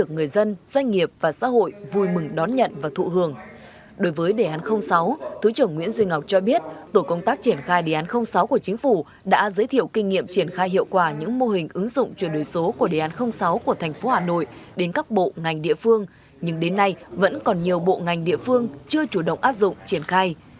ngoại trưởng nguyễn duy ngọc cho biết tổ công tác triển khai đề án sáu của chính phủ đã giới thiệu kinh nghiệm triển khai hiệu quả những mô hình ứng dụng truyền đổi số của đề án sáu của thành phố hà nội đến các bộ ngành địa phương nhưng đến nay vẫn còn nhiều bộ ngành địa phương chưa chủ động áp dụng triển khai